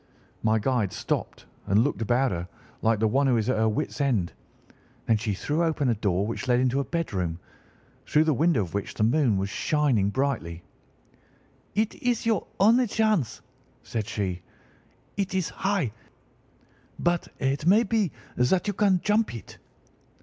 My guide stopped and looked about her like one who is at her wit's end. Then she threw open a door which led into a bedroom, through the window of which the moon was shining brightly. "'It is your only chance,' said she. 'It is high, but it may be that you can jump it.